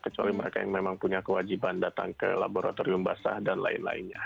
kecuali mereka yang memang punya kewajiban datang ke laboratorium basah dan lain lainnya